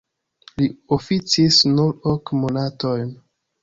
Li oficis nur ok monatojn.